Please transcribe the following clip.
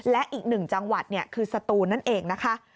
และอีกหนึ่งจังหวัดคือสตูนนั่นเองนะคะ